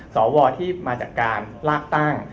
สวที่มาจากการลากตั้ง